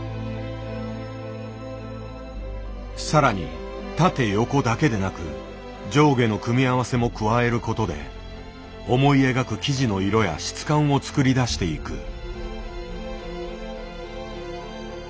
さらに縦横だけでなく上下の組み合わせも加えることで思い描く生地の色や質感を作り出していく。